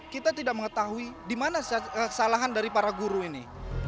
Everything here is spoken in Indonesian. kita tidak mengetahui di mana kesalahan dari para guru ini